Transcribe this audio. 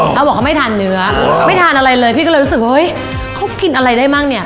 เขาบอกเขาไม่ทานเนื้อไม่ทานอะไรเลยพี่ก็เลยรู้สึกว่าเฮ้ยเขากินอะไรได้มั่งเนี่ย